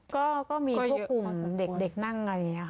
ก็ก็มีทุกกลุ่มเด็กเด็กนั่งอ่าอย่างเนี้ยค่ะ